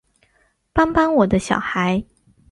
帮帮我的小孩